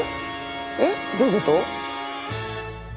えっどういうこと？